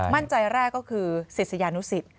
มั่นใจแรกก็คือศิษยานุศิษย์